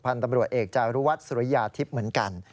ตำรวจเอกจารุวัฒน์สุริยาทิพย์เหมือนกัน